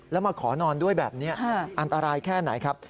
แล้วมาขอนอนด้วยแบบนี้อันตรายแค่ไหนครับ